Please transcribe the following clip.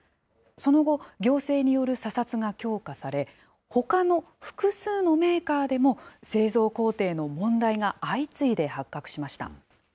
その後、行政による査察が強化され、ほかの複数のメーカーでも、製造工程の問題が相次いで発覚しました。